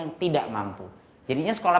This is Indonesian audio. yang tidak mampu jadinya sekolah